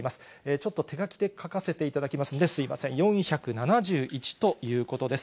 ちょっと手書きで書かせていただきますんで、すみません、４７１ということです。